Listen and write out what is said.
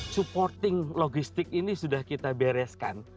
supporting logistik ini sudah kita bereskan